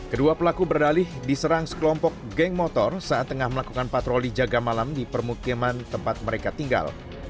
kedua pelaku berdalih diserang sekelompok geng motor saat tengah melakukan patroli jaga malam di permukiman tempat mereka tinggal